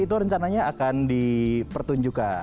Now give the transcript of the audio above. itu rencananya akan dipertunjukkan